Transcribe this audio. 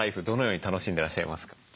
どのように楽しんでらっしゃいますか？